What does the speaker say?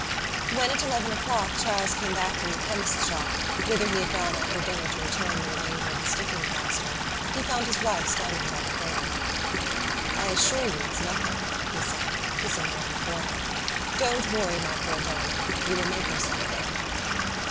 When at eleven o'clock Charles came back from the chemist's shop, whither he had gone after dinner to return the remainder of the sticking plaster, he found his wife standing by the cradle. "I assure you it's nothing." he said, kissing her on the forehead. "Don't worry, my poor darling; you will make yourself ill."